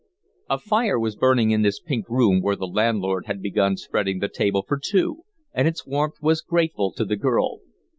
A fire was burning in this pink room where the landlord had begun spreading the table for two, and its warmth was grateful to the girl.